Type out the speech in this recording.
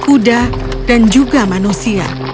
kuda dan juga manusia